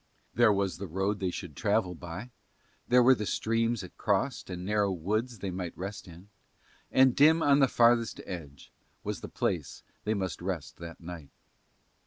There was the road they should travel by, there were the streams it crossed and narrow woods they might rest in, and dim on the farthest edge was the place they must spend that night.